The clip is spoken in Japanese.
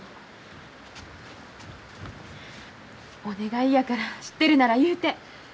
お願いやから知ってるなら言うて。